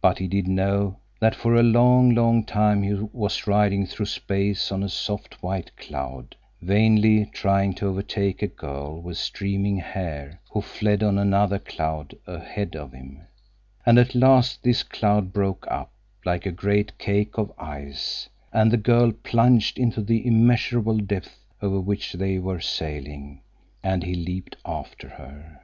But he did know that for a long, long time he was riding through space on a soft, white cloud, vainly trying to overtake a girl with streaming hair who fled on another cloud ahead of him; and at last this cloud broke up, like a great cake of ice, and the girl plunged into the immeasurable depths over which they were sailing, and he leaped after her.